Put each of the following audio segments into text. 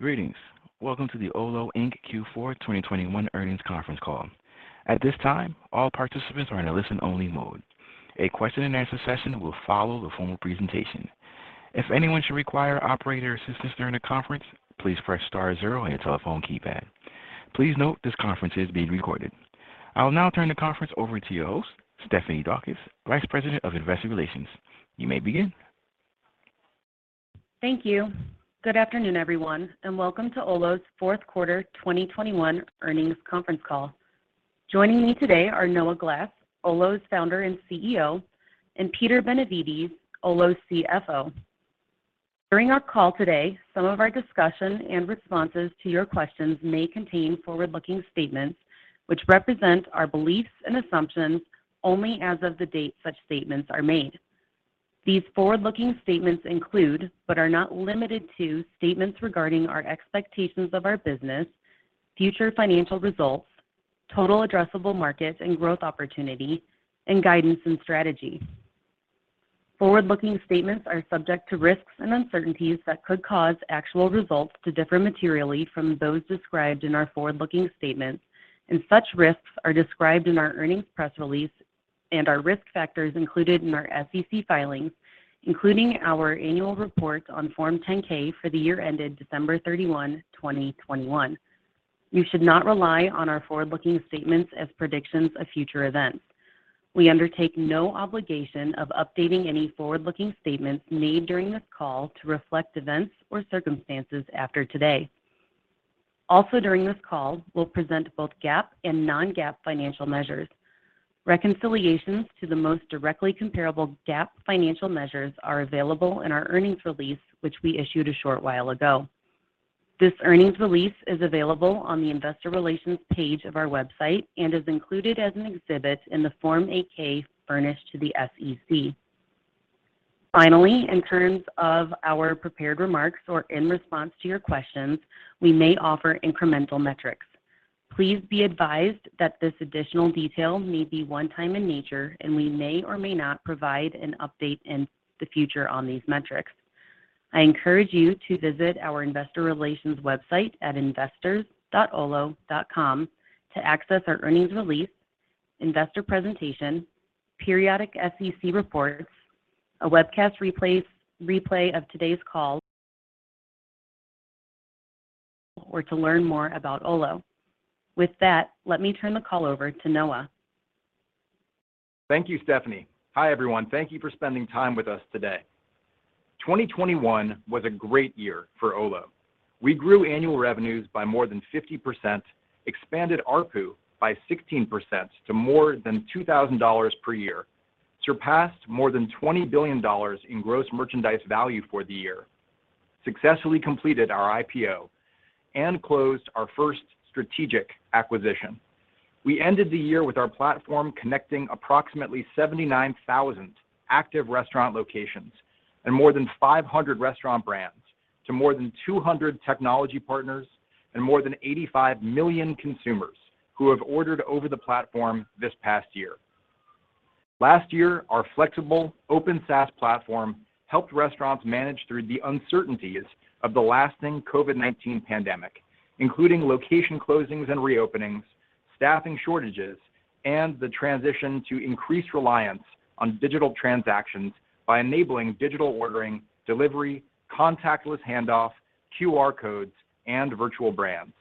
Greetings. Welcome to the Olo Inc. Q4 2021 earnings conference call. At this time, all participants are in a listen-only mode. A question-and-answer session will follow the formal presentation. If anyone should require operator assistance during the conference, please press star zero on your telephone keypad. Please note this conference is being recorded. I will now turn the conference over to your host, Stephanie Daukus, Vice President of Investor Relations. You may begin. Thank you. Good afternoon, everyone, and welcome to Olo's fourth quarter 2021 earnings conference call. Joining me today are Noah Glass, Olo's Founder and CEO, and Peter Benevides, Olo's CFO. During our call today, some of our discussion and responses to your questions may contain forward-looking statements which represent our beliefs and assumptions only as of the date such statements are made. These forward-looking statements include, but are not limited to, statements regarding our expectations of our business, future financial results, total addressable markets and growth opportunity, and guidance and strategy. Forward-looking statements are subject to risks and uncertainties that could cause actual results to differ materially from those described in our forward-looking statements and such risks are described in our earnings press release and our risk factors included in our SEC filings, including our annual report on Form 10-K for the year ended December 31, 2021. You should not rely on our forward-looking statements as predictions of future events. We undertake no obligation of updating any forward-looking statements made during this call to reflect events or circumstances after today. Also during this call, we'll present both GAAP and non-GAAP financial measures. Reconciliations to the most directly comparable GAAP financial measures are available in our earnings release which we issued a short while ago. This earnings release is available on the investor relations page of our website and is included as an exhibit in the Form 8-K furnished to the SEC. Finally, in terms of our prepared remarks or in response to your questions, we may offer incremental metrics. Please be advised that this additional detail may be one time in nature, and we may or may not provide an update in the future on these metrics. I encourage you to visit our investor relations website at investors.olo.com to access our earnings release, investor presentation, periodic SEC reports, a webcast replay of today's call or to learn more about Olo. With that, let me turn the call over to Noah. Thank you, Stephanie. Hi, everyone. Thank you for spending time with us today. 2021 was a great year for Olo. We grew annual revenues by more than 50%, expanded ARPU by 16% to more than $2,000 per year, surpassed more than $20 billion in gross merchandise value for the year, successfully completed our IPO and closed our first strategic acquisition. We ended the year with our platform connecting approximately 79,000 active restaurant locations and more than 500 restaurant brands to more than 200 technology partners and more than 85 million consumers who have ordered over the platform this past year. Last year, our flexible open SaaS platform helped restaurants manage through the uncertainties of the lasting COVID-19 pandemic, including location closings and reopenings, staffing shortages, and the transition to increased reliance on digital transactions by enabling digital ordering, delivery, contactless handoff, QR codes and virtual brands.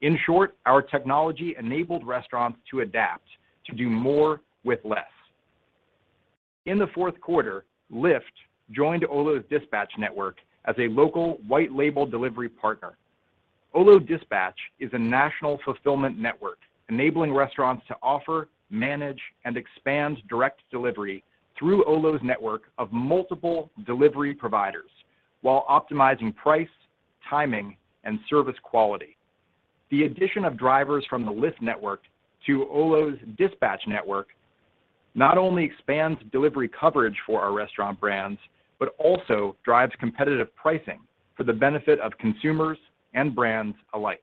In short, our technology enabled restaurants to adapt to do more with less. In the fourth quarter, Lyft joined Olo's Dispatch network as a local white label delivery partner. Olo Dispatch is a national fulfillment network enabling restaurants to offer, manage and expand direct delivery through Olo's network of multiple delivery providers while optimizing price, timing and service quality. The addition of drivers from the Lyft network to Olo's Dispatch network not only expands delivery coverage for our restaurant brands, but also drives competitive pricing for the benefit of consumers and brands alike.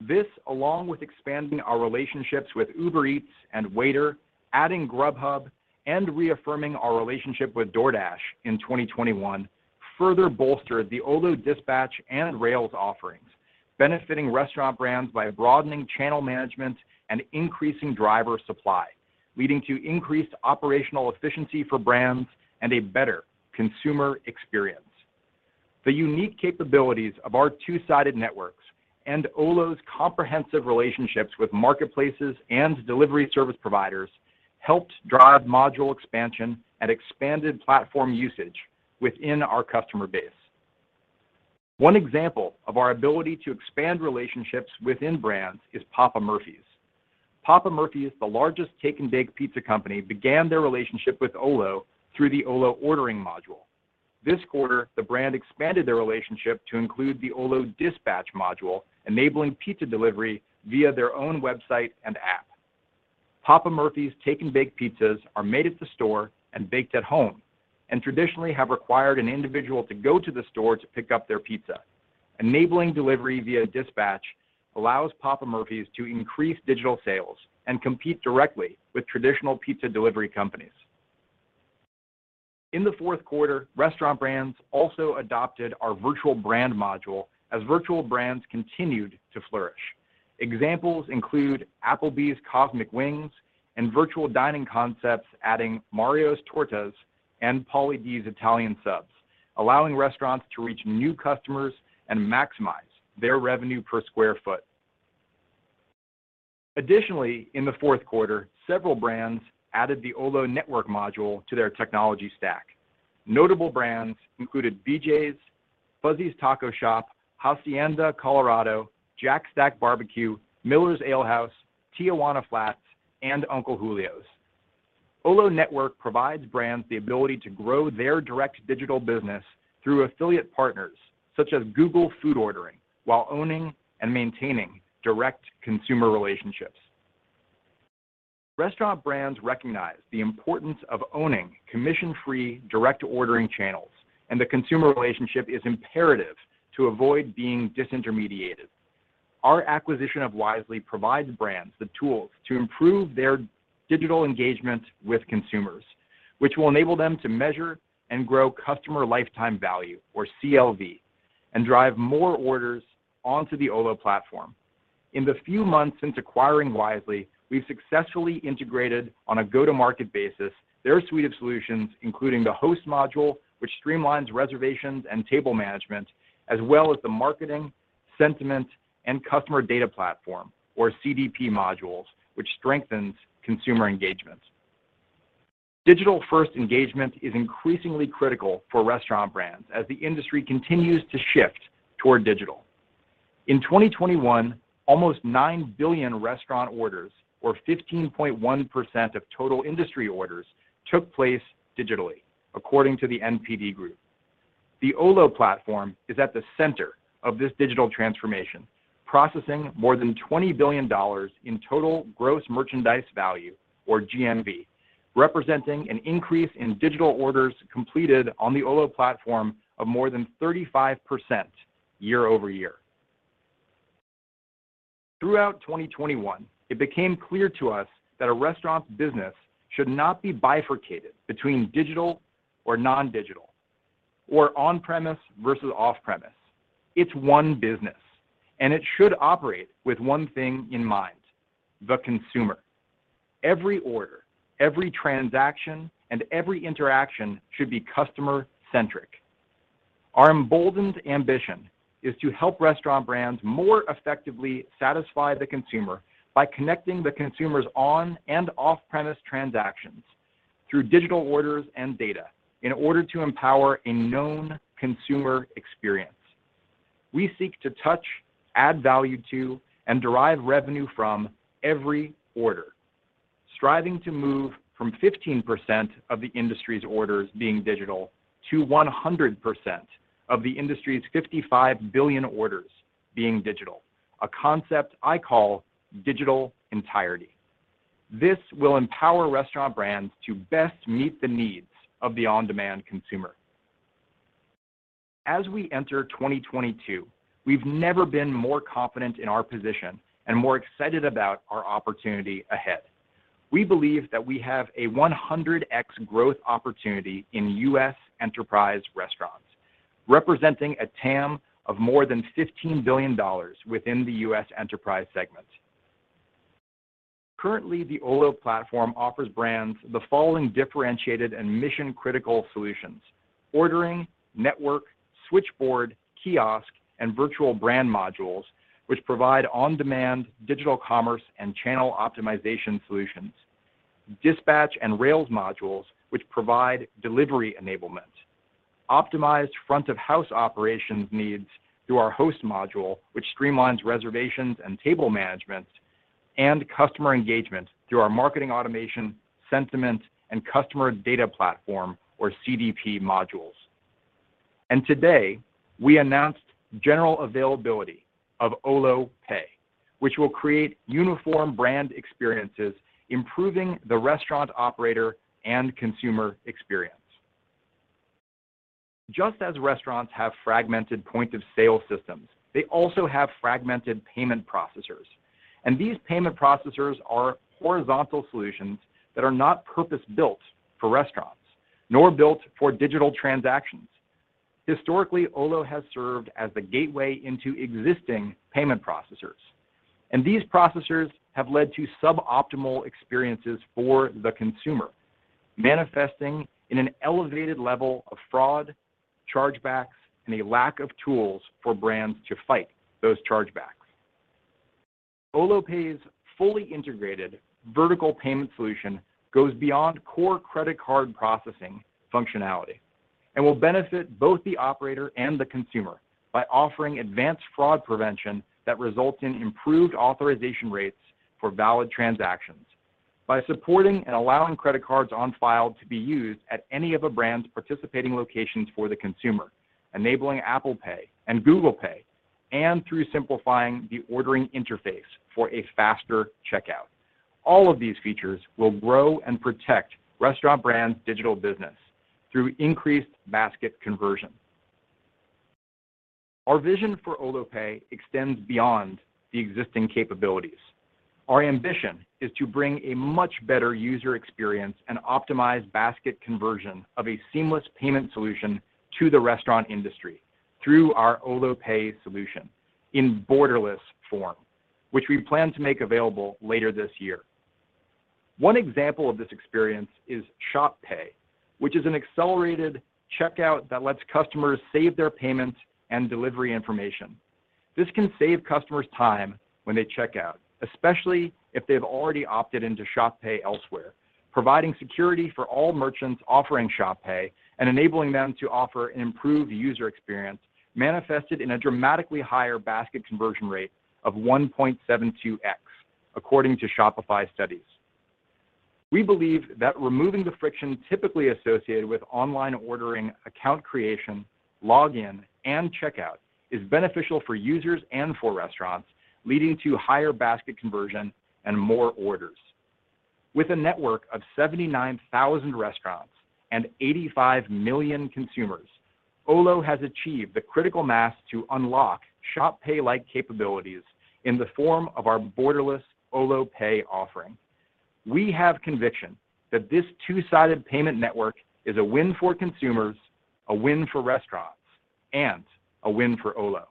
This, along with expanding our relationships with Uber Eats and Waitr, adding Grubhub, and reaffirming our relationship with DoorDash in 2021 further bolstered the Olo Dispatch and Rails offerings, benefiting restaurant brands by broadening channel management and increasing driver supply, leading to increased operational efficiency for brands and a better consumer experience. The unique capabilities of our two-sided networks and Olo's comprehensive relationships with marketplaces and delivery service providers helped drive module expansion and expanded platform usage within our customer base. One example of our ability to expand relationships within brands is Papa Murphy's. Papa Murphy's, the largest take-and-bake pizza company, began their relationship with Olo through the Olo ordering module. This quarter, the brand expanded their relationship to include the Olo Dispatch module, enabling pizza delivery via their own website and app. Papa Murphy's take-and-bake pizzas are made at the store and baked at home and traditionally have required an individual to go to the store to pick up their pizza. Enabling delivery via Dispatch allows Papa Murphy's to increase digital sales and compete directly with traditional pizza delivery companies. In the fourth quarter, restaurant brands also adopted our virtual brand module as virtual brands continued to flourish. Examples include Applebee's Cosmic Wings and Virtual Dining Concepts adding Mario's Tortas Lopez and Pauly D's Italian Subs, allowing restaurants to reach new customers and maximize their revenue per square foot. Additionally, in the fourth quarter, several brands added the Olo Network module to their technology stack. Notable brands included BJ's, Fuzzy's Taco Shop, Hacienda Colorado, Fiorella's Jack Stack Barbecue, Miller's Ale House, Tijuana Flats, and Uncle Julio's. Olo Network provides brands the ability to grow their direct digital business through affiliate partners such as Google Food Ordering while owning and maintaining direct consumer relationships. Restaurant brands recognize the importance of owning commission-free direct ordering channels, and the consumer relationship is imperative to avoid being disintermediated. Our acquisition of Wisely provides brands the tools to improve their digital engagement with consumers, which will enable them to measure and grow customer lifetime value or CLV and drive more orders onto the Olo platform. In the few months since acquiring Wisely, we've successfully integrated on a go-to-market basis their suite of solutions, including the Host module, which streamlines reservations and table management, as well as the marketing, Sentiment, and customer data platform or CDP modules, which strengthens consumer engagement. Digital-first engagement is increasingly critical for restaurant brands as the industry continues to shift toward digital. In 2021, almost 9 billion restaurant orders, or 15.1% of total industry orders, took place digitally, according to the NPD Group. The Olo platform is at the center of this digital transformation, processing more than $20 billion in total gross merchandise value or GMV, representing an increase in digital orders completed on the Olo platform of more than 35% year-over-year. Throughout 2021, it became clear to us that a restaurant's business should not be bifurcated between digital or non-digital or on-premise versus off-premise. It's one business, and it should operate with one thing in mind, the consumer. Every order, every transaction, and every interaction should be customer-centric. Our emboldened ambition is to help restaurant brands more effectively satisfy the consumer by connecting the consumer's on and off-premise transactions through digital orders and data in order to empower a known consumer experience. We seek to touch, add value to, and derive revenue from every order, striving to move from 15% of the industry's orders being digital to 100% of the industry's 55 billion orders being digital, a concept I call digital entirety. This will empower restaurant brands to best meet the needs of the on-demand consumer. As we enter 2022, we've never been more confident in our position and more excited about our opportunity ahead. We believe that we have a 100x growth opportunity in U.S. enterprise restaurants, representing a TAM of more than $15 billion within the U.S. enterprise segment. Currently, the Olo platform offers brands the following differentiated and mission-critical solutions, Ordering, Network, Switchboard, Kiosk, and virtual brand modules, which provide on-demand digital commerce and channel optimization solutions, Dispatch and Rails modules, which provide delivery enablement, optimized front-of-house operations needs through our Host module, which streamlines reservations and table management, and customer engagement through our marketing automation, Sentiment, and customer data platform or CDP modules. Today, we announced general availability of Olo Pay, which will create uniform brand experiences, improving the restaurant operator and consumer experience. Just as restaurants have fragmented point-of-sale systems, they also have fragmented payment processors, and these payment processors are horizontal solutions that are not purpose-built for restaurants nor built for digital transactions. Historically, Olo has served as the gateway into existing payment processors, and these processors have led to suboptimal experiences for the consumer, manifesting in an elevated level of fraud, chargebacks, and a lack of tools for brands to fight those chargebacks. Olo Pay's fully integrated vertical payment solution goes beyond core credit card processing functionality and will benefit both the operator and the consumer by offering advanced fraud prevention that results in improved authorization rates for valid transactions by supporting and allowing credit cards on file to be used at any of a brand's participating locations for the consumer, enabling Apple Pay and Google Pay, and through simplifying the ordering interface for a faster checkout. All of these features will grow and protect restaurant brands' digital business through increased basket conversion. Our vision for Olo Pay extends beyond the existing capabilities. Our ambition is to bring a much better user experience and optimize basket conversion of a seamless payment solution to the restaurant industry through our Olo Pay solution in borderless form, which we plan to make available later this year. One example of this experience is Shop Pay, which is an accelerated checkout that lets customers save their payment and delivery information. This can save customers time when they check out, especially if they've already opted into Shop Pay elsewhere, providing security for all merchants offering Shop Pay and enabling them to offer an improved user experience manifested in a dramatically higher basket conversion rate of 1.72x according to Shopify studies. We believe that removing the friction typically associated with online ordering, account creation, login, and checkout is beneficial for users and for restaurants, leading to higher basket conversion and more orders. With a network of 79,000 restaurants and 85 million consumers, Olo has achieved the critical mass to unlock Shop Pay-like capabilities in the form of our borderless Olo Pay offering. We have conviction that this two-sided payment network is a win for consumers, a win for restaurants, and a win for Olo.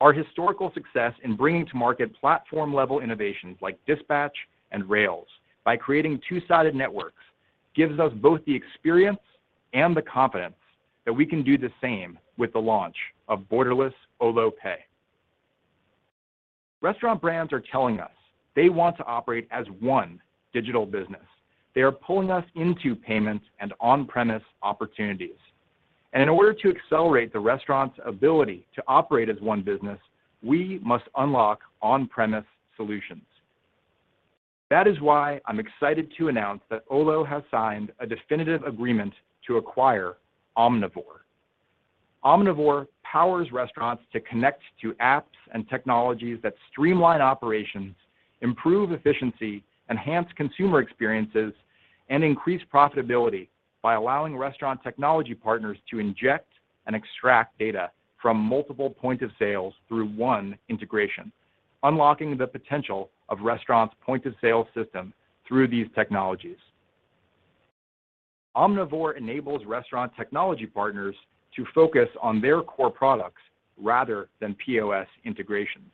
Our historical success in bringing to market platform-level innovations like Dispatch and Rails by creating two-sided networks gives us both the experience and the confidence that we can do the same with the launch of borderless Olo Pay. Restaurant brands are telling us they want to operate as one digital business. They are pulling us into payments and on-premise opportunities. In order to accelerate the restaurant's ability to operate as one business, we must unlock on-premise solutions. That is why I'm excited to announce that Olo has signed a definitive agreement to acquire Omnivore. Omnivore powers restaurants to connect to apps and technologies that streamline operations, improve efficiency, enhance consumer experiences, and increase profitability by allowing restaurant technology partners to inject and extract data from multiple points of sale through one integration, unlocking the potential of restaurants' point of sale system through these technologies. Omnivore enables restaurant technology partners to focus on their core products rather than POS integrations.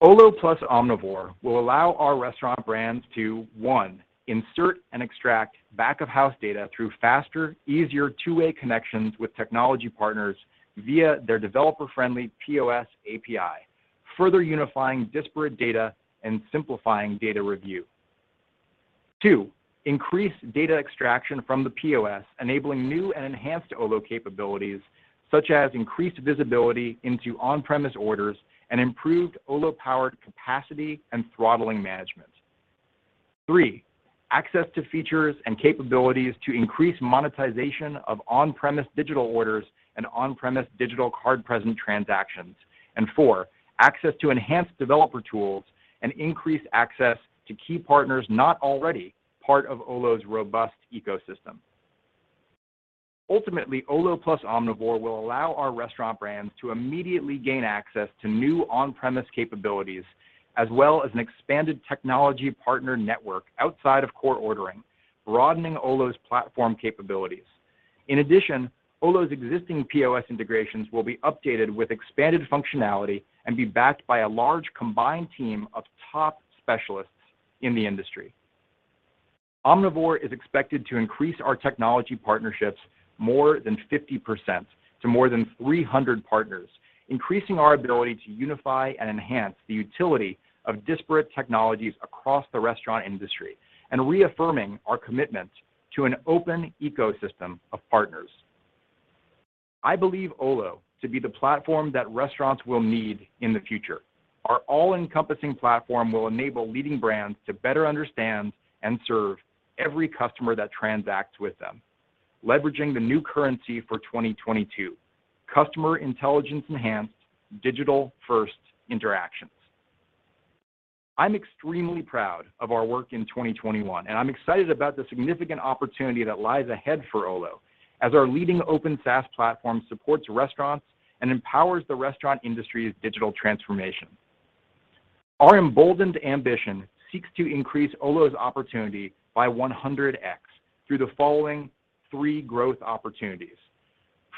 Olo plus Omnivore will allow our restaurant brands to, one, insert and extract back-of-house data through faster, easier two-way connections with technology partners via their developer-friendly POS API, further unifying disparate data and simplifying data review. Two, increase data extraction from the POS, enabling new and enhanced Olo capabilities such as increased visibility into on-premise orders and improved Olo-powered capacity and throttling management. Three, access to features and capabilities to increase monetization of on-premise digital orders and on-premise digital card present transactions. Four, access to enhanced developer tools and increased access to key partners not already part of Olo's robust ecosystem. Ultimately, Olo plus Omnivore will allow our restaurant brands to immediately gain access to new on-premise capabilities as well as an expanded technology partner network outside of core ordering, broadening Olo's platform capabilities. In addition, Olo's existing POS integrations will be updated with expanded functionality and be backed by a large combined team of top specialists in the industry. Omnivore is expected to increase our technology partnerships more than 50% to more than 300 partners, increasing our ability to unify and enhance the utility of disparate technologies across the restaurant industry and reaffirming our commitment to an open ecosystem of partners. I believe Olo to be the platform that restaurants will need in the future. Our all-encompassing platform will enable leading brands to better understand and serve every customer that transacts with them, leveraging the new currency for 2022, customer intelligence enhanced digital-first interactions. I'm extremely proud of our work in 2021, and I'm excited about the significant opportunity that lies ahead for Olo as our leading open SaaS platform supports restaurants and empowers the restaurant industry's digital transformation. Our emboldened ambition seeks to increase Olo's opportunity by 100x through the following three growth opportunities.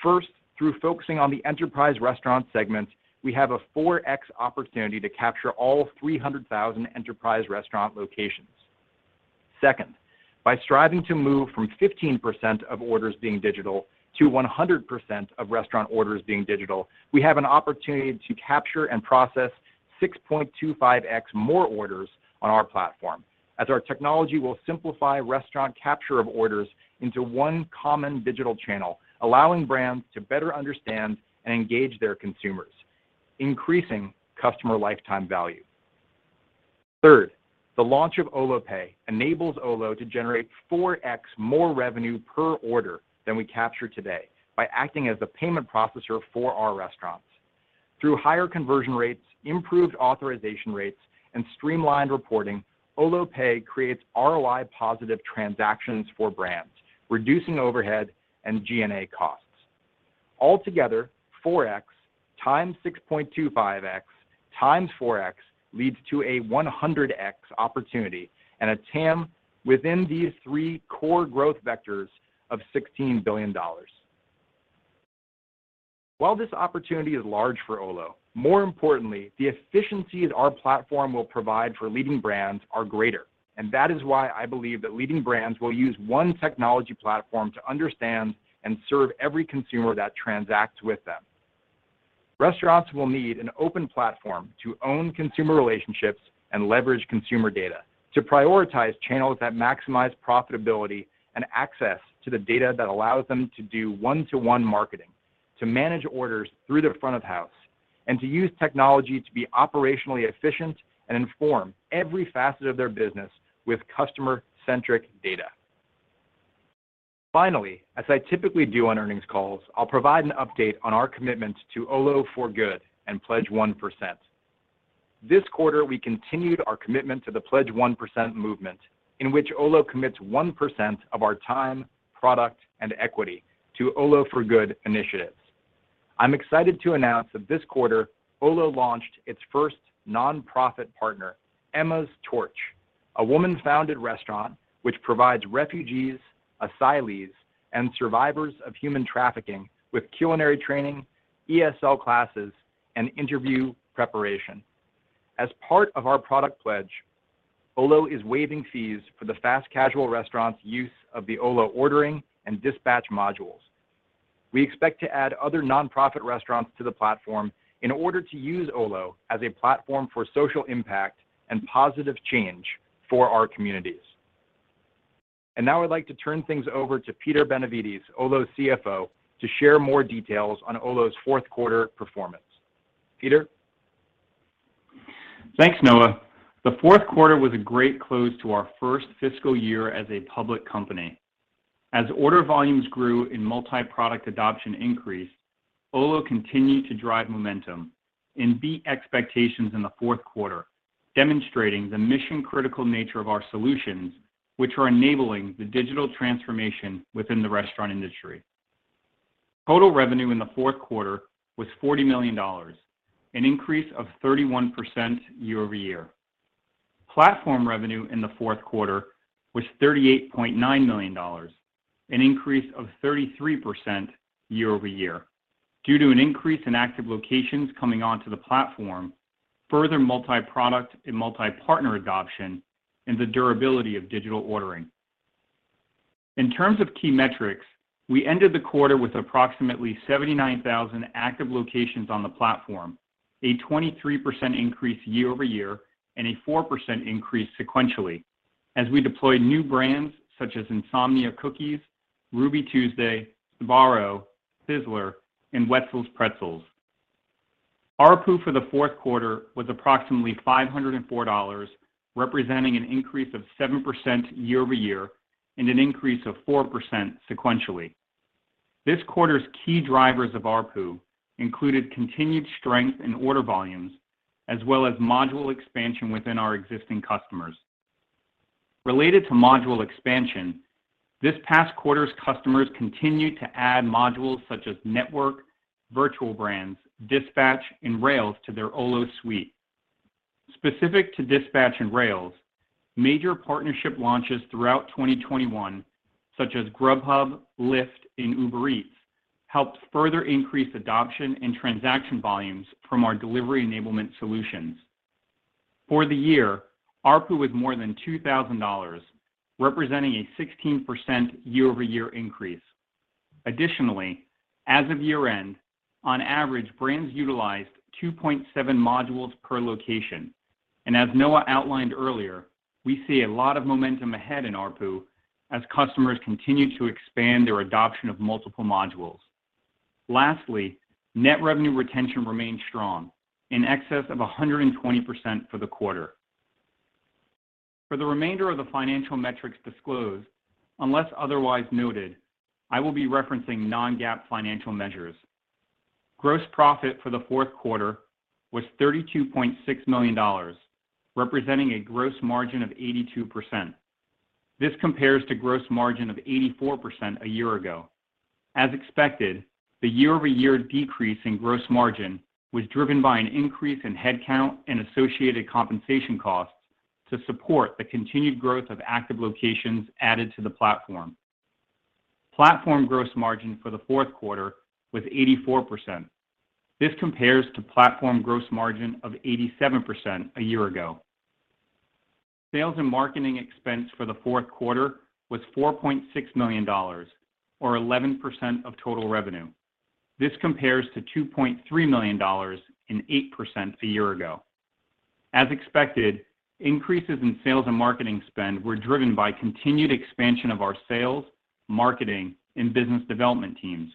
First, through focusing on the enterprise restaurant segment, we have a 4x opportunity to capture all 300,000 enterprise restaurant locations. Second, by striving to move from 15% of orders being digital to 100% of restaurant orders being digital, we have an opportunity to capture and process 6.25x more orders on our platform as our technology will simplify restaurant capture of orders into one common digital channel, allowing brands to better understand and engage their consumers, increasing customer lifetime value. Third, the launch of Olo Pay enables Olo to generate 4x more revenue per order than we capture today by acting as the payment processor for our restaurants. Through higher conversion rates, improved authorization rates, and streamlined reporting, Olo Pay creates ROI positive transactions for brands, reducing overhead and G&A costs. Altogether, 4x times 6.25x times 4x leads to a 100x opportunity and a TAM within these three core growth vectors of $16 billion. While this opportunity is large for Olo, more importantly, the efficiencies our platform will provide for leading brands are greater. That is why I believe that leading brands will use one technology platform to understand and serve every consumer that transacts with them. Restaurants will need an open platform to own consumer relationships and leverage consumer data to prioritize channels that maximize profitability and access to the data that allows them to do one-to-one marketing, to manage orders through their front of house, and to use technology to be operationally efficient and inform every facet of their business with customer-centric data. Finally, as I typically do on earnings calls, I'll provide an update on our commitment to Olo for Good and Pledge 1%. This quarter, we continued our commitment to the Pledge 1% movement, in which Olo commits 1% of our time, product, and equity to Olo for Good initiatives. I'm excited to announce that this quarter Olo launched its first nonprofit partner, Emma's Torch, a woman-founded restaurant which provides refugees, asylees, and survivors of human trafficking with culinary training, ESL classes, and interview preparation. As part of our product pledge, Olo is waiving fees for the fast casual restaurant's use of the Olo Ordering and Dispatch modules. We expect to add other nonprofit restaurants to the platform in order to use Olo as a platform for social impact and positive change for our communities. Now I'd like to turn things over to Peter Benevides, Olo's CFO, to share more details on Olo's fourth quarter performance. Peter? Thanks, Noah. The fourth quarter was a great close to our first fiscal year as a public company. As order volumes grew and multi-product adoption increased, Olo continued to drive momentum and beat expectations in the fourth quarter, demonstrating the mission-critical nature of our solutions, which are enabling the digital transformation within the restaurant industry. Total revenue in the fourth quarter was $40 million, an increase of 31% year-over-year. Platform revenue in the fourth quarter was $38.9 million, an increase of 33% year-over-year due to an increase in active locations coming onto the platform, further multi-product and multi-partner adoption, and the durability of digital ordering. In terms of key metrics, we ended the quarter with approximately 79,000 active locations on the platform, a 23% increase year-over-year and a 4% increase sequentially as we deployed new brands such as Insomnia Cookies, Ruby Tuesday, Sbarro, Sizzler, and Wetzel's Pretzels. ARPU for the fourth quarter was approximately $504, representing an increase of 7% year-over-year and an increase of 4% sequentially. This quarter's key drivers of ARPU included continued strength in order volumes as well as module expansion within our existing customers. Related to module expansion, this past quarter's customers continued to add modules such as Network, Virtual Brands, Dispatch, and Rails to their Olo suite. Specific to Dispatch and Rails, major partnership launches throughout 2021, such as Grubhub, Lyft, and Uber Eats, helped further increase adoption and transaction volumes from our delivery enablement solutions. For the year, ARPU was more than $2,000, representing a 16% year-over-year increase. Additionally, as of year-end, on average, brands utilized 2.7 modules per location. As Noah outlined earlier, we see a lot of momentum ahead in ARPU as customers continue to expand their adoption of multiple modules. Lastly, net revenue retention remained strong in excess of 120% for the quarter. For the remainder of the financial metrics disclosed, unless otherwise noted, I will be referencing non-GAAP financial measures. Gross profit for the fourth quarter was $32.6 million, representing a gross margin of 82%. This compares to gross margin of 84% a year ago. As expected, the year-over-year decrease in gross margin was driven by an increase in head count and associated compensation costs to support the continued growth of active locations added to the platform. Platform gross margin for the fourth quarter was 84%. This compares to platform gross margin of 87% a year ago. Sales and marketing expense for the fourth quarter was $4.6 million or 11% of total revenue. This compares to $2.3 million and 8% a year ago. As expected, increases in sales and marketing spend were driven by continued expansion of our sales, marketing, and business development teams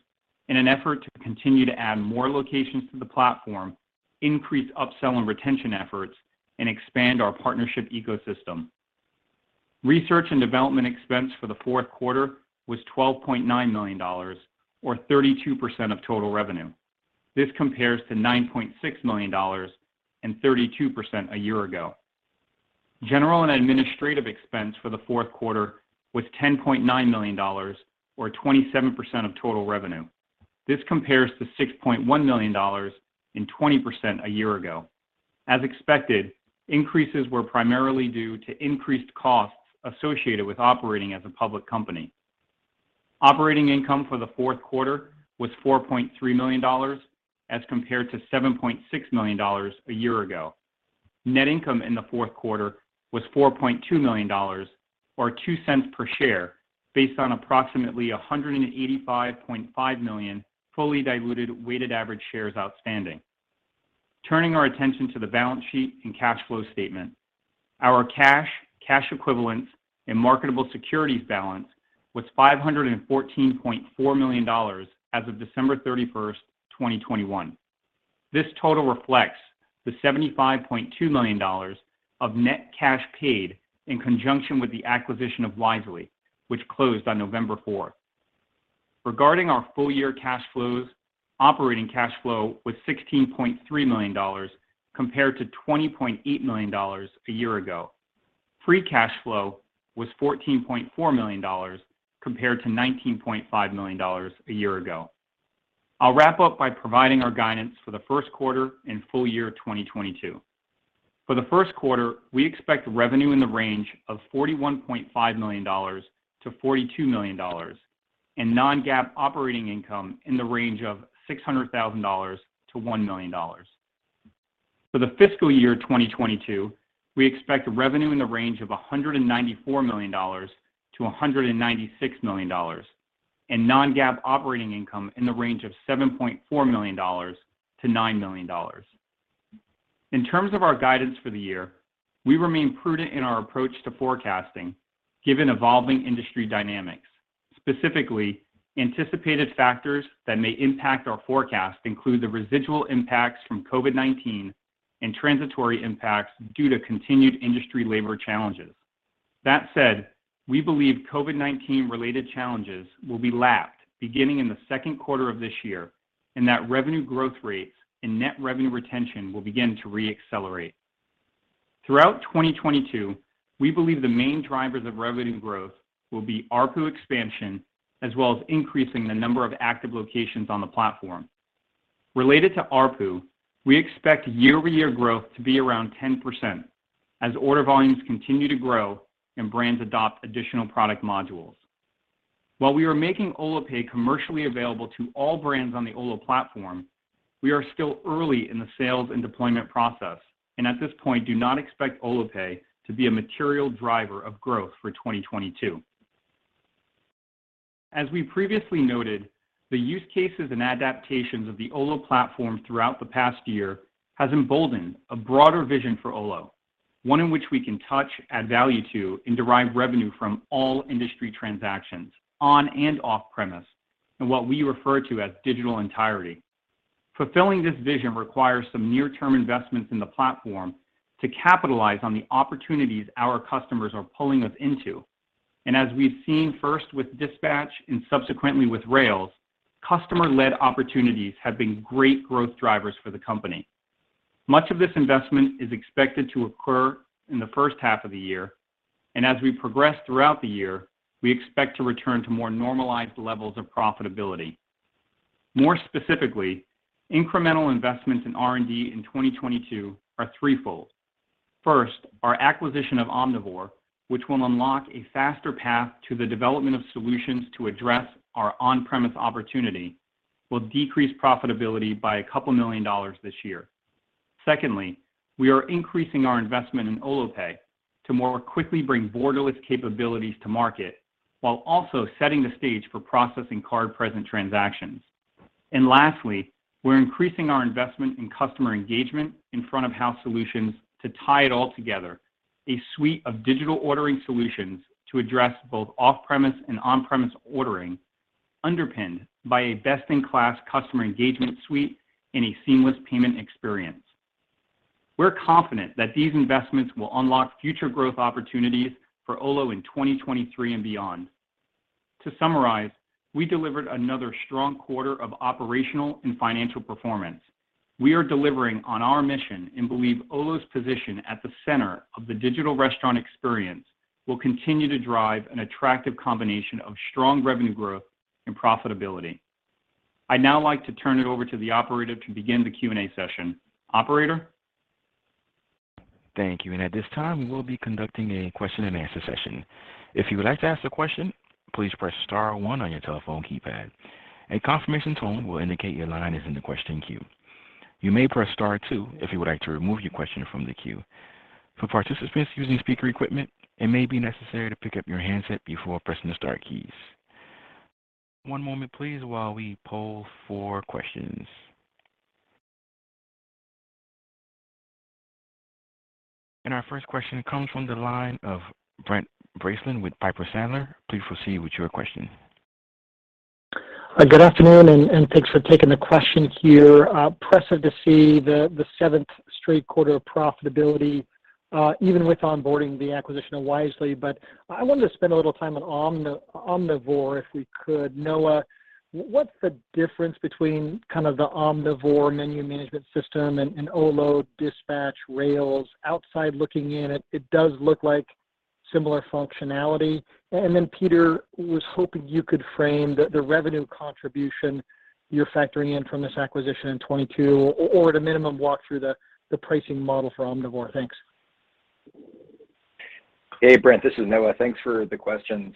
in an effort to continue to add more locations to the platform, increase upsell and retention efforts, and expand our partnership ecosystem. Research and development expense for the fourth quarter was $12.9 million or 32% of total revenue. This compares to $9.6 million and 32% a year ago. General and administrative expense for the fourth quarter was $10.9 million or 27% of total revenue. This compares to $6.1 million and 20% a year ago. As expected, increases were primarily due to increased costs associated with operating as a public company. Operating income for the fourth quarter was $4.3 million as compared to $7.6 million a year ago. Net income in the fourth quarter was $4.2 million or $0.02 per share based on approximately 185.5 million fully diluted weighted average shares outstanding. Turning our attention to the balance sheet and cash flow statement. Our cash equivalents and marketable securities balance was $514.4 million as of December 31, 2021. This total reflects the $75.2 million of net cash paid in conjunction with the acquisition of Wisely, which closed on November 4. Regarding our full year cash flows, operating cash flow was $16.3 million compared to $20.8 million a year ago. Free cash flow was $14.4 million compared to $19.5 million a year ago. I'll wrap up by providing our guidance for the first quarter and full year 2022. For the first quarter, we expect revenue in the range of $41.5 million-$42 million and non-GAAP operating income in the range of $600,000-$1 million. For the fiscal year 2022, we expect revenue in the range of $194 million-$196 million and non-GAAP operating income in the range of $7.4 million-$9 million. In terms of our guidance for the year, we remain prudent in our approach to forecasting given evolving industry dynamics. Specifically, anticipated factors that may impact our forecast include the residual impacts from COVID-19 and transitory impacts due to continued industry labor challenges. That said, we believe COVID-19 related challenges will be lapped beginning in the second quarter of this year and that revenue growth rates and net revenue retention will begin to re-accelerate. Throughout 2022, we believe the main drivers of revenue growth will be ARPU expansion as well as increasing the number of active locations on the platform. Related to ARPU, we expect year-over-year growth to be around 10% as order volumes continue to grow and brands adopt additional product modules. While we are making Olo Pay commercially available to all brands on the Olo platform, we are still early in the sales and deployment process and at this point do not expect Olo Pay to be a material driver of growth for 2022. As we previously noted, the use cases and adaptations of the Olo platform throughout the past year has emboldened a broader vision for Olo. One in which we can touch, add value to, and derive revenue from all industry transactions on and off premise in what we refer to as digital entirety. Fulfilling this vision requires some near-term investments in the platform to capitalize on the opportunities our customers are pulling us into. As we've seen first with Dispatch and subsequently with Rails, customer-led opportunities have been great growth drivers for the company. Much of this investment is expected to occur in the first half of the year, and as we progress throughout the year, we expect to return to more normalized levels of profitability. More specifically, incremental investments in R&D in 2022 are threefold. First, our acquisition of Omnivore, which will unlock a faster path to the development of solutions to address our on-premise opportunity, will decrease profitability by $2 million this year. Secondly, we are increasing our investment in Olo Pay to more quickly bring borderless capabilities to market while also setting the stage for processing card-present transactions. Lastly, we're increasing our investment in customer engagement in front of house solutions to tie it all together. A suite of digital ordering solutions to address both off-premise and on-premise ordering underpinned by a best-in-class customer engagement suite and a seamless payment experience. We're confident that these investments will unlock future growth opportunities for Olo in 2023 and beyond. To summarize, we delivered another strong quarter of operational and financial performance. We are delivering on our mission and believe Olo's position at the center of the digital restaurant experience will continue to drive an attractive combination of strong revenue growth and profitability. I'd now like to turn it over to the operator to begin the Q&A session. Operator? Thank you. At this time, we will be conducting a question and answer session. If you would like to ask a question, please press star one on your telephone keypad. A confirmation tone will indicate your line is in the question queue. You may press star two if you would like to remove your question from the queue. For participants using speaker equipment, it may be necessary to pick up your handset before pressing the star keys. One moment please while we poll for questions. Our first question comes from the line of Brent Bracelin with Piper Sandler. Please proceed with your question. Good afternoon and thanks for taking the questions here. Impressive to see the seventh straight quarter of profitability, even with onboarding the acquisition of Wisely. I wanted to spend a little time on Omnivore, if we could. Noah, what's the difference between kind of the Omnivore menu management system and Olo Dispatch, Rails? Outside looking in, it does look like similar functionality. Then Peter, was hoping you could frame the revenue contribution you're factoring in from this acquisition in 2022 or at a minimum, walk through the pricing model for Omnivore. Thanks. Hey, Brent. This is Noah. Thanks for the questions.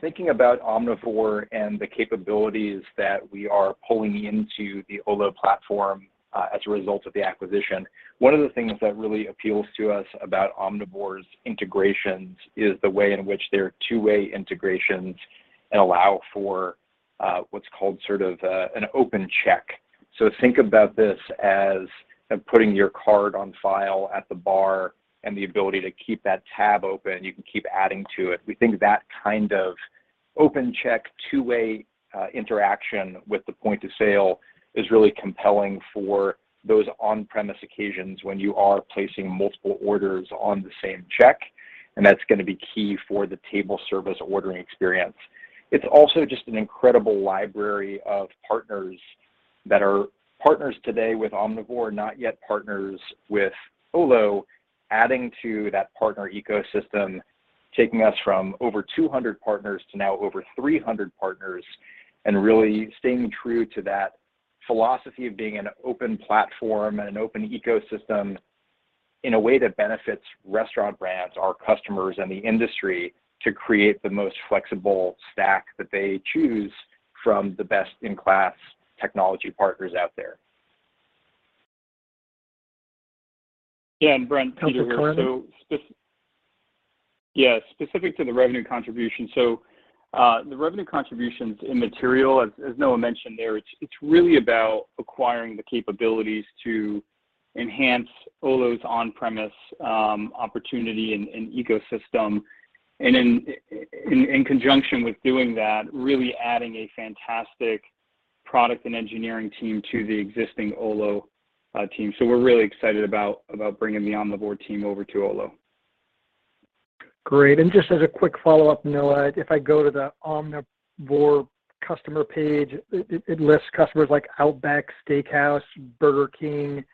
Thinking about Omnivore and the capabilities that we are pulling into the Olo platform, as a result of the acquisition, one of the things that really appeals to us about Omnivore's integrations is the way in which they're two-way integrations and allow for, what's called sort of, an open check. Think about this as putting your card on file at the bar and the ability to keep that tab open, you can keep adding to it. We think that kind of open check, two-way, interaction with the point of sale is really compelling for those on-premise occasions when you are placing multiple orders on the same check, and that's gonna be key for the table service ordering experience. It's also just an incredible library of partners that are partners today with Omnivore, not yet partners with Olo, adding to that partner ecosystem, taking us from over 200 partners to now over 300 partners and really staying true to that philosophy of being an open platform and an open ecosystem in a way that benefits restaurant brands, our customers, and the industry to create the most flexible stack that they choose from the best-in-class technology partners out there. Yeah, Brent, Peter here. Thanks for the color. Yeah, specific to the revenue contribution. The revenue contribution's immaterial. As Noah mentioned there, it's really about acquiring the capabilities to enhance Olo's on-premise opportunity and ecosystem. In conjunction with doing that, really adding a fantastic product and engineering team to the existing Olo team. We're really excited about bringing the Omnivore team over to Olo. Great. Just as a quick follow-up, Noah, if I go to the Omnivore customer page, it lists customers like Outback Steakhouse, Burger King,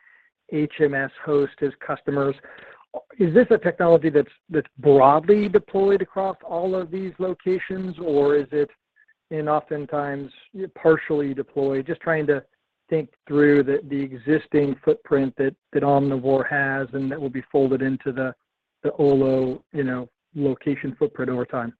HMSHost as customers. Is this a technology that's broadly deployed across all of these locations, or is it oftentimes partially deployed? Just trying to think through the existing footprint that Omnivore has and that will be folded into the Olo, you know, location footprint over time.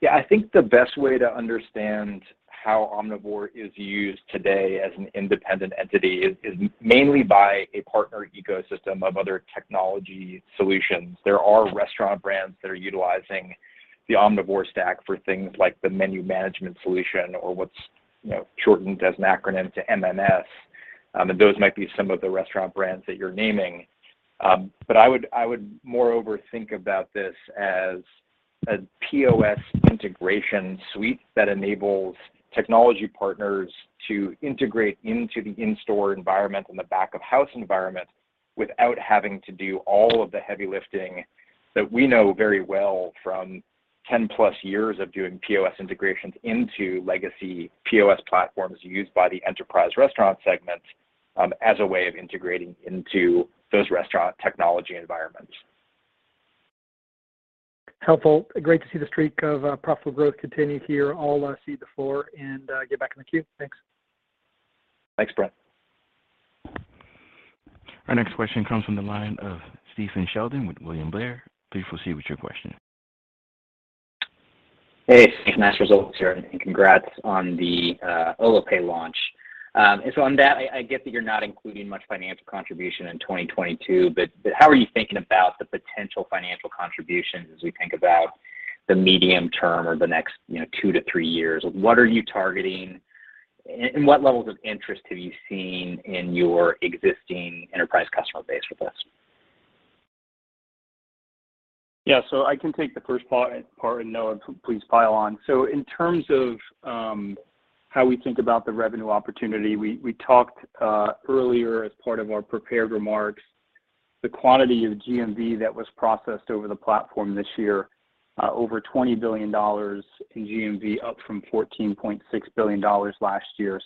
Yeah. I think the best way to understand how Omnivore is used today as an independent entity is mainly by a partner ecosystem of other technology solutions. There are restaurant brands that are utilizing the Omnivore stack for things like the menu management solution or what's, you know, shortened as an acronym to MMS, and those might be some of the restaurant brands that you're naming. I would moreover think about this as a POS integration suite that enables technology partners to integrate into the in-store environment and the back-of-house environment without having to do all of the heavy lifting that we know very well from 10+ years of doing POS integrations into legacy POS platforms used by the enterprise restaurant segment, as a way of integrating into those restaurant technology environments. Helpful. Great to see the streak of profitable growth continue here. I'll cede the floor and get back in the queue. Thanks. Thanks, Brent. Our next question comes from the line of Stephen Sheldon with William Blair. Please proceed with your question. Hey. Thanks for those results, and congrats on the Olo Pay launch. On that, I get that you're not including much financial contribution in 2022, but how are you thinking about the potential financial contributions as we think about the medium term or the next, you know, 2-3 years? What are you targeting and what levels of interest have you seen in your existing enterprise customer base with this? Yeah. I can take the first part, and Noah, please pile on. In terms of how we think about the revenue opportunity, we talked earlier as part of our prepared remarks the quantity of GMV that was processed over the platform this year, over $20 billion in GMV, up from $14.6 billion last year.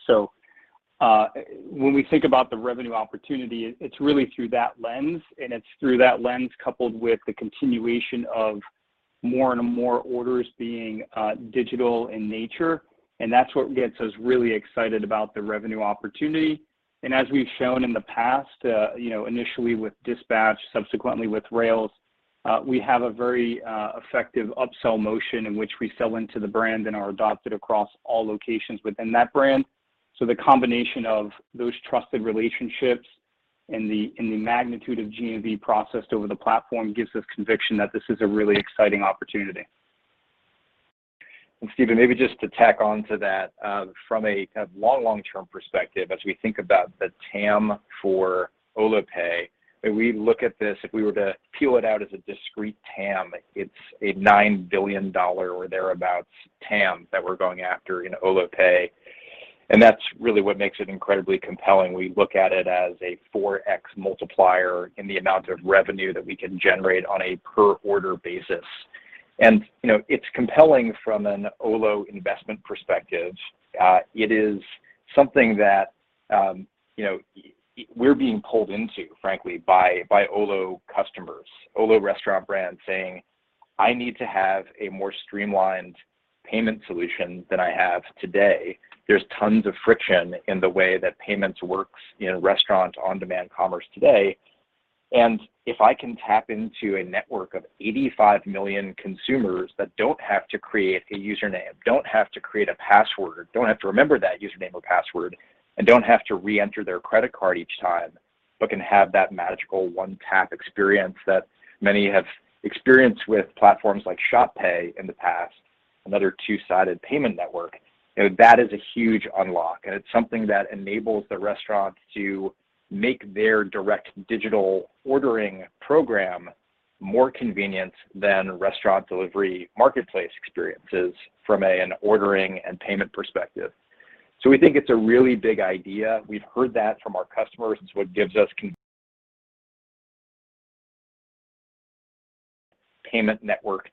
When we think about the revenue opportunity, it's really through that lens, and it's through that lens coupled with the continuation of more and more orders being digital in nature, and that's what gets us really excited about the revenue opportunity. You know, initially with Dispatch, subsequently with Rails, we have a very effective upsell motion in which we sell into the brand and are adopted across all locations within that brand. The combination of those trusted relationships and the magnitude of GMV processed over the platform gives us conviction that this is a really exciting opportunity. Stephen, maybe just to tack onto that, from a kind of long-term perspective, as we think about the TAM for Olo Pay, if we look at this, if we were to peel it out as a discrete TAM, it's a $9 billion or thereabout TAM that we're going after in Olo Pay. That's really what makes it incredibly compelling. We look at it as a 4x multiplier in the amount of revenue that we can generate on a per order basis. You know, it's compelling from an Olo investment perspective. It is something that, you know, we're being pulled into, frankly, by Olo customers, Olo restaurant brands saying, "I need to have a more streamlined payment solution than I have today." There's tons of friction in the way that payments works in restaurant on-demand commerce today. If I can tap into a network of 85 million consumers that don't have to create a username, don't have to create a password, don't have to remember that username or password, and don't have to reenter their credit card each time, but can have that magical one tap experience that many have experienced with platforms like Shop Pay in the past, another two-sided payment network, you know, that is a huge unlock, and it's something that enables the restaurant to make their direct digital ordering program more convenient than restaurant delivery marketplace experiences from an ordering and payment perspective. We think it's a really big idea. We've heard that from our customers. It's what gives us the confidence to build a payment network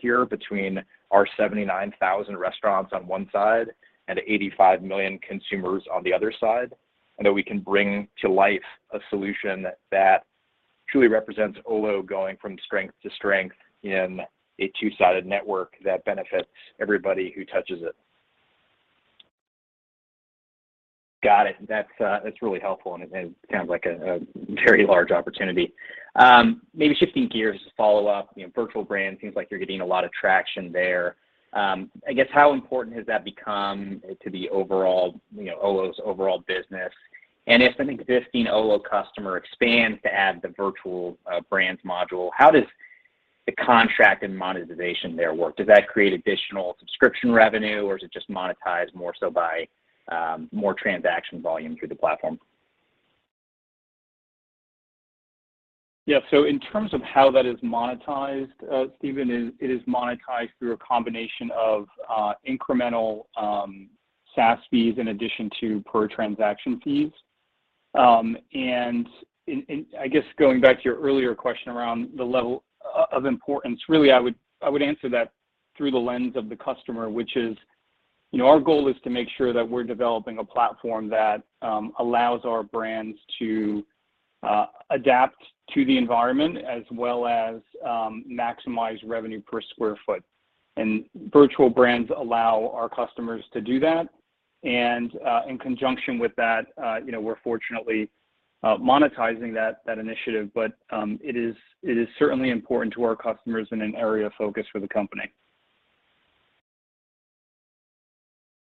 here between our 79,000 restaurants on one side and 85 million consumers on the other side, and that we can bring to life a solution that truly represents Olo going from strength to strength in a two-sided network that benefits everybody who touches it. Got it. That's really helpful, and it sounds like a very large opportunity. Maybe shifting gears to follow up, you know, virtual brand seems like you're getting a lot of traction there. I guess, how important has that become to the overall, you know, Olo's overall business? And if an existing Olo customer expands to add the virtual brands module, how does the contract and monetization there work? Does that create additional subscription revenue, or is it just monetized more so by more transaction volume through the platform? Yeah. In terms of how that is monetized, Stephen, it is monetized through a combination of incremental SaaS fees in addition to per transaction fees. I guess going back to your earlier question around the level of importance, really, I would answer that through the lens of the customer, which is, you know, our goal is to make sure that we're developing a platform that allows our brands to adapt to the environment as well as maximize revenue per square foot. Virtual brands allow our customers to do that. In conjunction with that, you know, we're fortunately monetizing that initiative. It is certainly important to our customers and an area of focus for the company.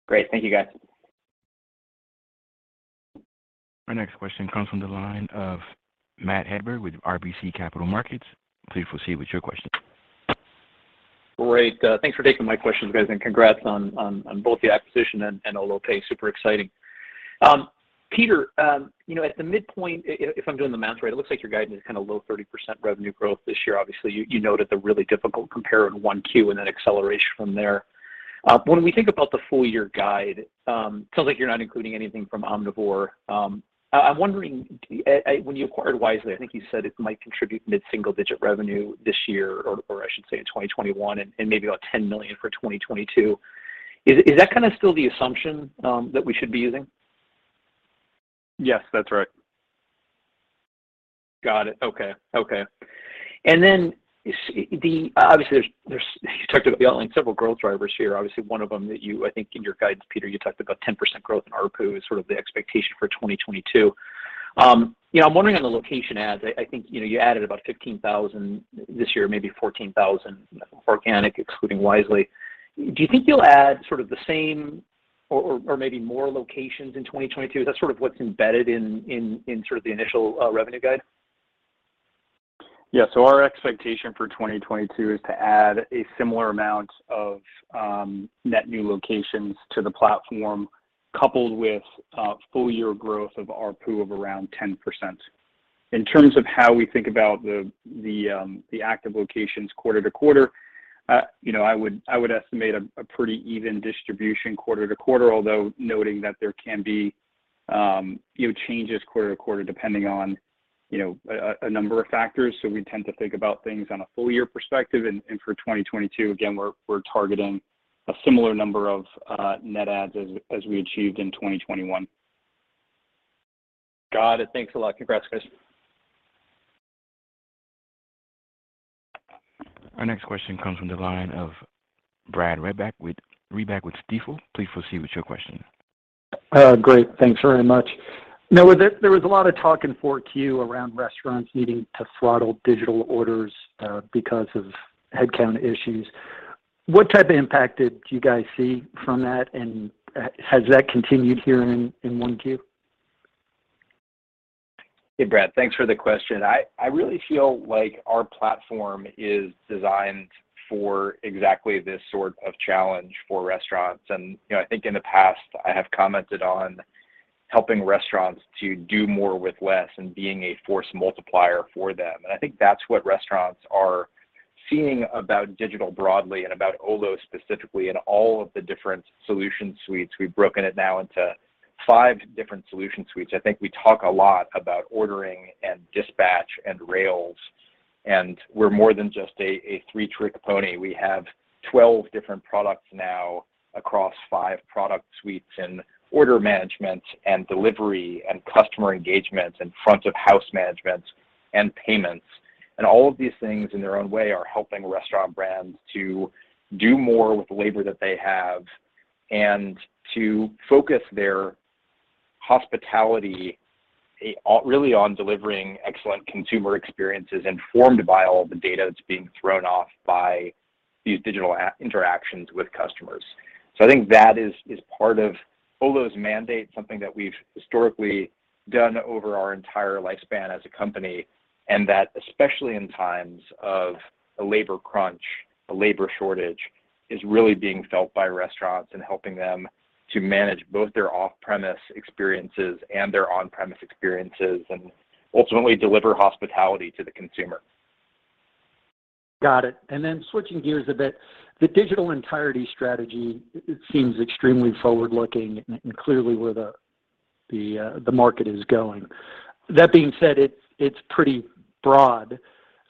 Great. Thank you, guys. Our next question comes from the line of Matt Hedberg with RBC Capital Markets. Please proceed with your question. Great. Thanks for taking my questions, guys, and congrats on both the acquisition and Olo Pay. Super exciting. Peter, you know, at the midpoint, if I'm doing the math right, it looks like you're guiding this kind of low 30% revenue growth this year. Obviously, you noted the really difficult compare in 1Q and then acceleration from there. When we think about the full year guide, it feels like you're not including anything from Omnivore. I'm wondering, when you acquired Wisely, I think you said it might contribute mid-single-digit revenue this year, or I should say in 2021 and maybe about $10 million for 2022. Is that kind of still the assumption that we should be using? Yes, that's right. Got it. Okay. Okay. Obviously there's you talked about several growth drivers here. Obviously, one of them that you, I think in your guidance, Peter, you talked about 10% growth in ARPU is sort of the expectation for 2022. You know, I'm wondering on the location adds. I think, you know, you added about 15,000 this year, maybe 14,000 organic excluding Wisely. Do you think you'll add sort of the same or maybe more locations in 2022? Is that sort of what's embedded in sort of the initial revenue guide? Yeah. Our expectation for 2022 is to add a similar amount of net new locations to the platform, coupled with full year growth of ARPU of around 10%. In terms of how we think about the active locations quarter to quarter, you know, I would estimate a pretty even distribution quarter to quarter, although noting that there can be changes quarter to quarter depending on, you know, a number of factors. We tend to think about things on a full year perspective. For 2022, again, we're targeting a similar number of net adds as we achieved in 2021. Got it. Thanks a lot. Congrats, guys. Our next question comes from the line of Brad Reback with Stifel. Please proceed with your question. Great. Thanks very much. Now, there was a lot of talk in 4Q around restaurants needing to throttle digital orders because of headcount issues. What type of impact did you guys see from that, and has that continued here in 1Q? Hey, Brad. Thanks for the question. I really feel like our platform is designed for exactly this sort of challenge for restaurants. You know, I think in the past, I have commented on helping restaurants to do more with less and being a force multiplier for them. I think that's what restaurants are seeing about digital broadly and about Olo specifically and all of the different solution suites. We've broken it now into five different solution suites. I think we talk a lot about Ordering, Dispatch, and Rails, and we're more than just a three-trick pony. We have 12 different products now across five product suites in order management and delivery and customer engagement and front of house management and payments. All of these things in their own way are helping restaurant brands to do more with the labor that they have and to focus their hospitality really on delivering excellent consumer experiences informed by all the data that's being thrown off by these digital interactions with customers. I think that is part of Olo's mandate, something that we've historically done over our entire lifespan as a company, and that especially in times of a labor crunch, a labor shortage, is really being felt by restaurants and helping them to manage both their off-premise experiences and their on-premise experiences and ultimately deliver hospitality to the consumer. Got it. Switching gears a bit, the digital entirety strategy, it seems extremely forward-looking and clearly where the market is going. That being said, it's pretty broad.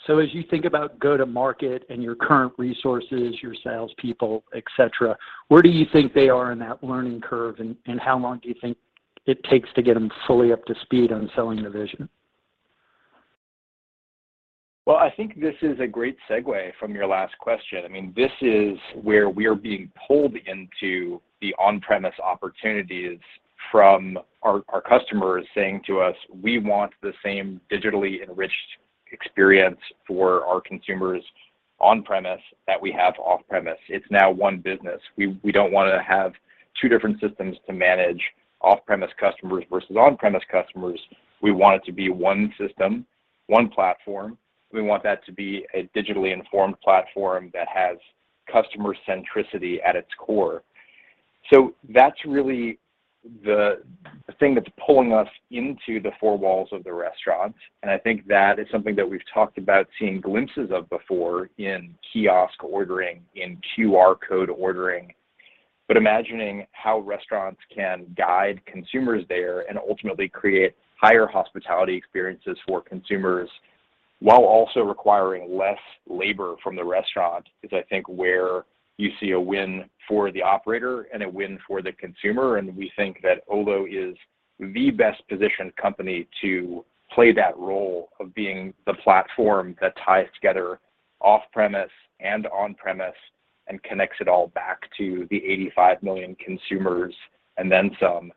As you think about go to market and your current resources, your salespeople, et cetera, where do you think they are in that learning curve, and how long do you think it takes to get them fully up to speed on selling the vision? Well, I think this is a great segue from your last question. I mean, this is where we are being pulled into the on-premise opportunities from our customers saying to us, "We want the same digitally enriched experience for our consumers on premise that we have off premise. It's now one business. We don't wanna have two different systems to manage off-premise customers versus on-premise customers. We want it to be one system, one platform. We want that to be a digitally informed platform that has customer centricity at its core." That's really the thing that's pulling us into the four walls of the restaurant, and I think that is something that we've talked about seeing glimpses of before in kiosk ordering, in QR code ordering. Imagining how restaurants can guide consumers there and ultimately create higher hospitality experiences for consumers while also requiring less labor from the restaurant is I think where you see a win for the operator and a win for the consumer. We think that Olo is the best positioned company to play that role of being the platform that ties together off premise and on premise and connects it all back to the 85 million consumers and then some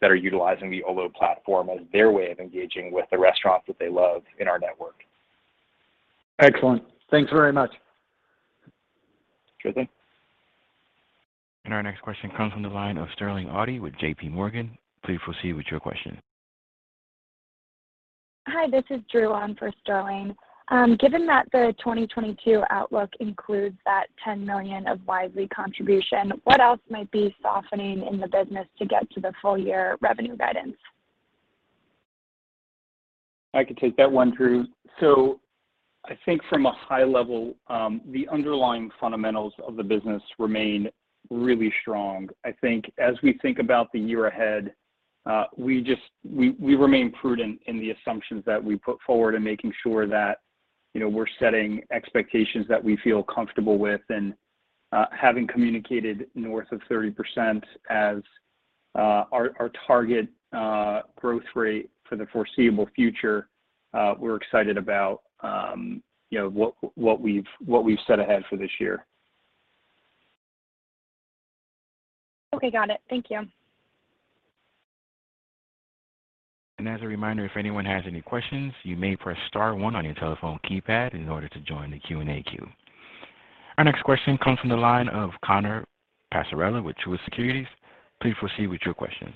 that are utilizing the Olo platform as their way of engaging with the restaurants that they love in our network. Excellent. Thanks very much. Sure thing. Our next question comes from the line of Sterling Auty with JP Morgan. Please proceed with your question. Hi, this is Drew on for Sterling. Given that the 2022 outlook includes that $10 million of Wisely contribution, what else might be softening in the business to get to the full year revenue guidance? I can take that one, Drew. I think from a high level, the underlying fundamentals of the business remain really strong. I think as we think about the year ahead, we remain prudent in the assumptions that we put forward and making sure that, you know, we're setting expectations that we feel comfortable with. Having communicated north of 30% as our target growth rate for the foreseeable future, we're excited about, you know, what we've set ahead for this year. Okay. Got it. Thank you. As a reminder, if anyone has any questions, you may press star one on your telephone keypad in order to join the Q&A queue. Our next question comes from the line of Connor Passarella with Truist Securities. Please proceed with your question.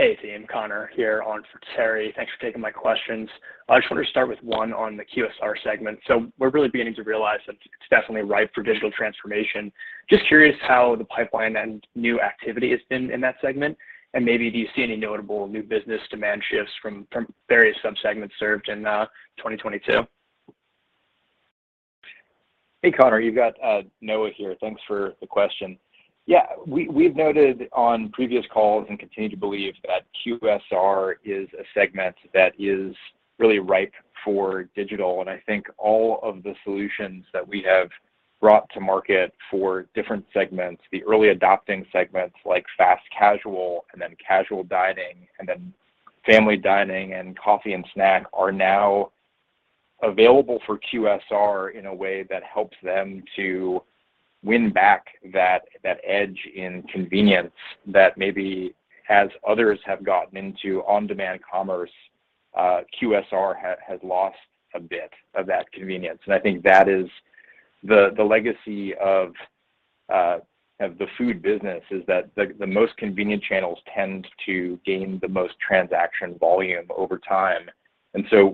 Hey, team. Connor here on for Terry. Thanks for taking my questions. I just wanted to start with one on the QSR segment. We're really beginning to realize that it's definitely ripe for digital transformation. Just curious how the pipeline and new activity has been in that segment, and maybe do you see any notable new business demand shifts from various sub-segments served in 2022? Hey, Connor. You've got Noah here. Thanks for the question. Yeah. We've noted on previous calls and continue to believe that QSR is a segment that is really ripe for digital, and I think all of the solutions that we have brought to market for different segments, the early adopting segments like fast casual and then casual dining, and then family dining and coffee and snack, are now available for QSR in a way that helps them to win back that edge in convenience that maybe as others have gotten into on-demand commerce, QSR has lost a bit of that convenience. I think that is the legacy of the food business is that the most convenient channels tend to gain the most transaction volume over time.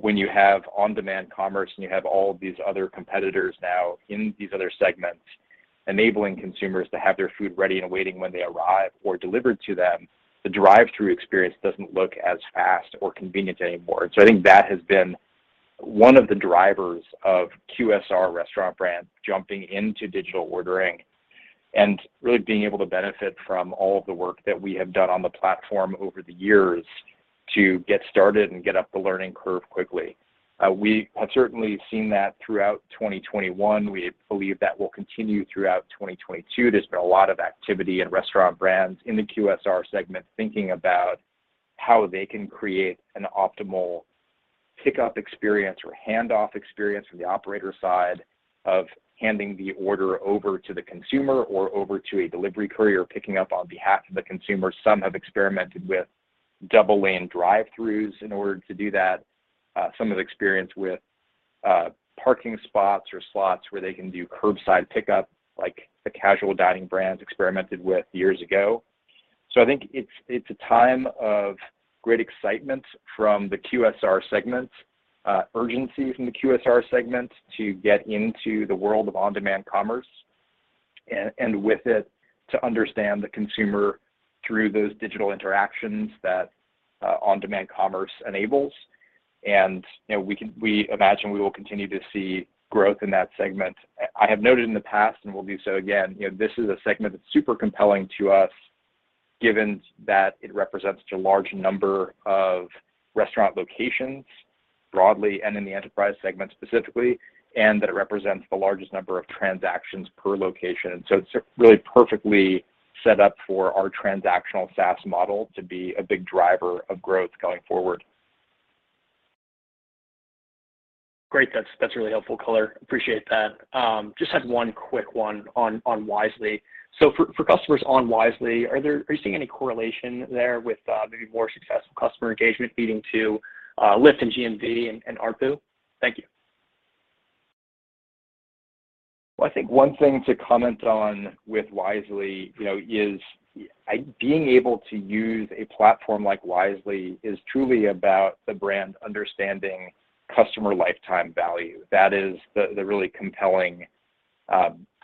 When you have on-demand commerce, and you have all of these other competitors now in these other segments, enabling consumers to have their food ready and waiting when they arrive or delivered to them, the drive-thru experience doesn't look as fast or convenient anymore. I think that has been one of the drivers of QSR restaurant brands jumping into digital ordering and really being able to benefit from all of the work that we have done on the platform over the years to get started and get up the learning curve quickly. We have certainly seen that throughout 2021. We believe that will continue throughout 2022. There's been a lot of activity in restaurant brands in the QSR segment thinking about how they can create an optimal pickup experience or handoff experience from the operator side of handing the order over to the consumer or over to a delivery courier picking up on behalf of the consumer. Some have experimented with double lane drive-thrus in order to do that. Some have experimented with parking spots or slots where they can do curbside pickup, like the casual dining brands experimented with years ago. I think it's a time of great excitement from the QSR segment, urgency from the QSR segment to get into the world of on-demand commerce and with it to understand the consumer through those digital interactions that on-demand commerce enables. You know, we imagine we will continue to see growth in that segment. I have noted in the past and will do so again, you know, this is a segment that's super compelling to us given that it represents such a large number of restaurant locations broadly and in the enterprise segment specifically, and that it represents the largest number of transactions per location. It's really perfectly set up for our transactional SaaS model to be a big driver of growth going forward. Great. That's really helpful color. Appreciate that. Just had one quick one on Wisely. For customers on Wisely, are you seeing any correlation there with maybe more successful customer engagement leading to lift in GMV and ARPU? Thank you. Well, I think one thing to comment on with Wisely, you know, is being able to use a platform like Wisely is truly about the brand understanding customer lifetime value. That is the really compelling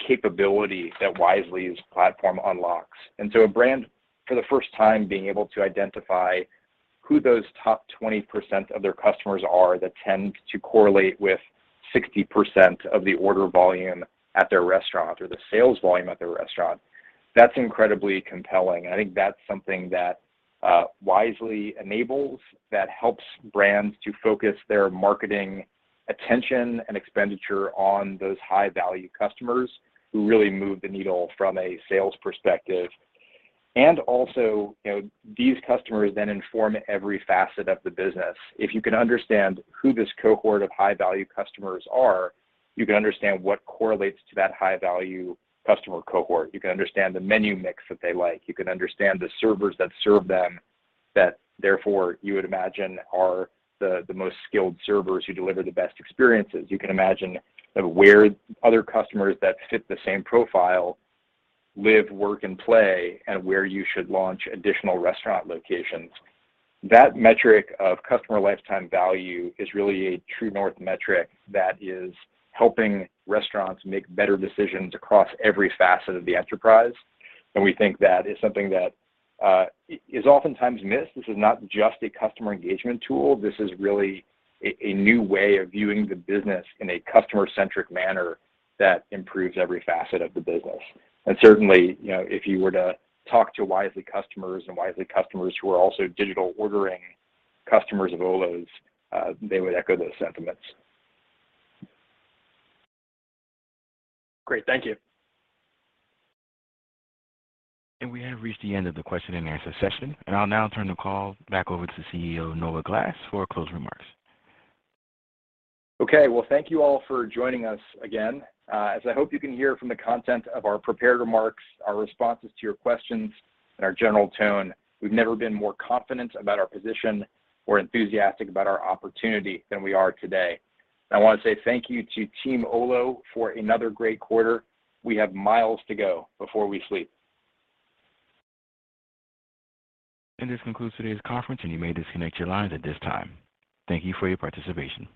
capability that Wisely's platform unlocks. A brand for the first time being able to identify who those top 20% of their customers are that tend to correlate with 60% of the order volume at their restaurant or the sales volume at their restaurant, that's incredibly compelling. I think that's something that Wisely enables that helps brands to focus their marketing attention and expenditure on those high-value customers who really move the needle from a sales perspective. Also, you know, these customers then inform every facet of the business. If you can understand who this cohort of high-value customers are, you can understand what correlates to that high-value customer cohort. You can understand the menu mix that they like. You can understand the servers that serve them that therefore you would imagine are the most skilled servers who deliver the best experiences. You can imagine where other customers that fit the same profile live, work, and play and where you should launch additional restaurant locations. That metric of customer lifetime value is really a true north metric that is helping restaurants make better decisions across every facet of the enterprise. We think that is something that is oftentimes missed. This is not just a customer engagement tool. This is really a new way of viewing the business in a customer-centric manner that improves every facet of the business. Certainly, you know, if you were to talk to Wisely customers and Wisely customers who are also digital ordering customers of Olo's, they would echo those sentiments. Great. Thank you. We have reached the end of the question-and-answer session. I'll now turn the call back over to CEO Noah Glass for closing remarks. Okay. Well, thank you all for joining us again. As I hope you can hear from the content of our prepared remarks, our responses to your questions, and our general tone, we've never been more confident about our position or enthusiastic about our opportunity than we are today. I want to say thank you to Team Olo for another great quarter. We have miles to go before we sleep. This concludes today's conference, and you may disconnect your lines at this time. Thank you for your participation.